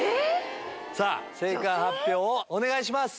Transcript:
さぁ正解発表をお願いします。